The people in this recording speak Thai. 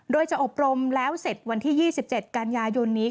โดยจะอบรมแล้วเสร็จวันที่๒๗กันยายนนี้